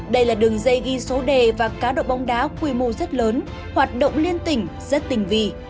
đây là đường dây ghi số đề và cá độ bóng đá quy mô rất lớn hoạt động liên tỉnh rất tinh vị